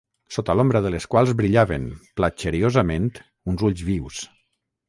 sota l'ombra de les quals brillaven, platxeriosament, uns ulls vius